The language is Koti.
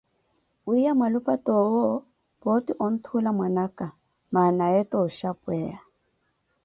Wiiya mwalupa toowo, pooti onthuula mwana aka, mana ye tooxhapweya.